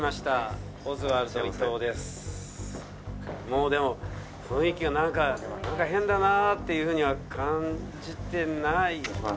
もうでも雰囲気はなんかなんか変だなっていうふうには感じてないかな？